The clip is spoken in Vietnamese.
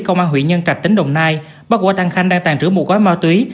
công an huyện nhân trạch tỉnh đồng nai bắt quả tăng khanh đang tàn trữ một gói ma túy